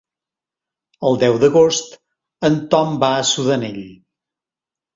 El deu d'agost en Tom va a Sudanell.